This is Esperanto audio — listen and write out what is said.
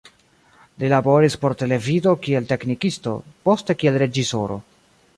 Li laboris por televido kiel teknikisto, poste kiel reĝisoro.